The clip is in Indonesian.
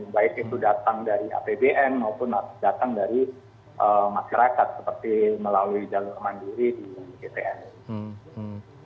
baik itu datang dari apbn maupun datang dari masyarakat seperti melalui jalur mandiri di gtn